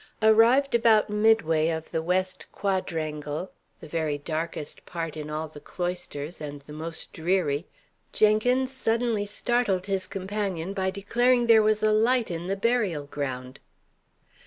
Arrived about midway of the west quadrangle, the very darkest part in all the cloisters, and the most dreary, Jenkins suddenly startled his companion by declaring there was a light in the burial ground.